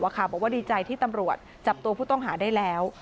บอกว่าดีใจที่ตำรวจจับตัวผู้ต้องหาได้แล้ว